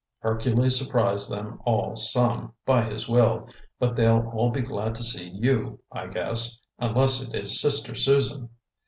"Hercules surprised them all some, by his will. But they'll all be glad to see you, I guess, unless it is Sister Susan.